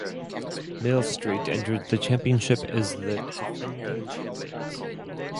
Millstreet entered the championship as the defending champions.